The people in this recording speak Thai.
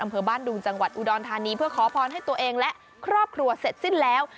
อำเภอบ้านดุงจังหวัดอุดรธานีเพื่อขอพรให้ตัวเองและครอบครัวเสร็จสิ้นแล้ว